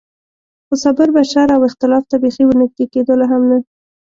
خو صابر به شر او اختلاف ته بېخي ور نږدې کېدلو هم نه.